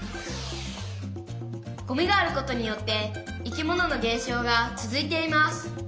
「ゴミがあることによって生き物の減少が続いています」。